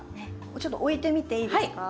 ちょっと置いてみていいですか？